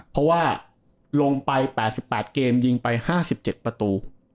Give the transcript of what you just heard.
เพราะว่าลงไป๘๘เกมยิงไป๕๗ประตู